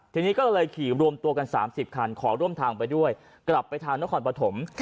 ทีนี้ก็เลยขี่รวมตัวกัน๓๐คันขอร่วมทางไปด้วยกลับไปทางนครปฐม